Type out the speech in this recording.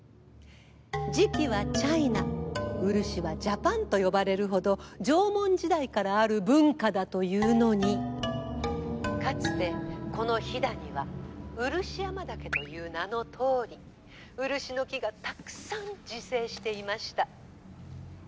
磁器はチャイナ漆はジャパンと呼ばれるほど縄文時代からある文化だというのにかつてこの飛騨には漆山岳という名のとおり漆の木がたくさん自生していました。